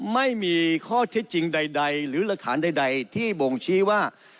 ไม่มีข้อเท็จจริงใดหรือหลักฐานใดที่บ่งชี้ว่า